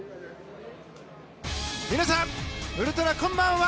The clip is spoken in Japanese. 皆さん、ウルトラこんばんは！